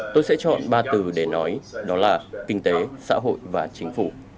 tôi sẽ chọn ba từ để nói đó là kinh tế xã hội và chính phủ